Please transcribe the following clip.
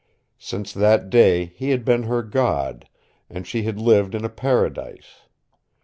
Since that day he had been her God, and she had lived in a paradise.